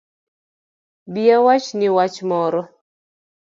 Bi awachni wach moro